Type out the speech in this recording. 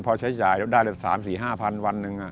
พอใช้จ่ายได้เลยสามสี่ห้าพันวันหนึ่ง